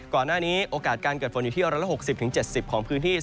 ก่อนหน้านี้โอกาสการเกิดฝนอยู่ที่ร้อนละ๖๐๗๐ของพื้นที่